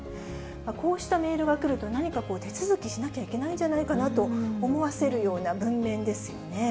こうしたメールが来ると、何か手続きしなきゃいけないんじゃないかなと思わせるような文面ですよね。